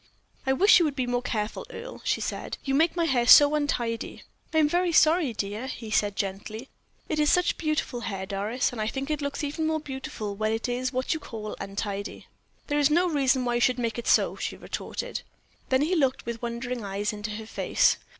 "I wish you would be more careful, Earle," she said. "You make my hair so untidy." "I am very sorry, dear," he said, gently. "It is such beautiful hair, Doris, and I think it looks even more beautiful when it is what you call untidy." "There is no reason why you should make it so," she retorted. Then he looked with wondering eyes into her face.